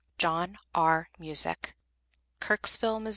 JOHN R. MUSICK. Kirksville, Mo.